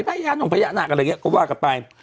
ภายะหนุ่มภายะหนักอะไรอย่างนี้ก็ว่ากลับไป